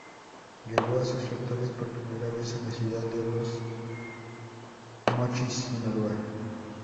Llegó a sus lectores por primera vez en la ciudad de Los Mochis, Sinaloa.